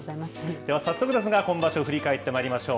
では早速ですが、今場所、振り返ってまいりましょう。